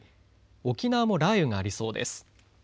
沖縄も雷雨がありそうです。